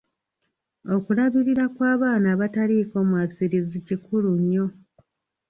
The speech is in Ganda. Okulabirira kw'abaana abataliiko mwasirizi kikulu nnyo.